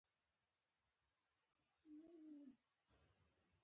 • هغه کسانو، چې نهشوی کولای دنده تر سره کړي.